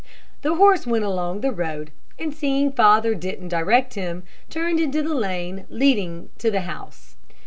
The horse went along the road, and seeing father didn't direct him, turned into the lane leading to the house.